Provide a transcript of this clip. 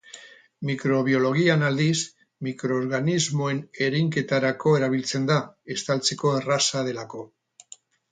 Mikrobiologian aldiz, mikroorganismoen ereinketarako erabiltzen da, estaltzeko erraza delako.